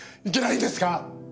いけないんですか！？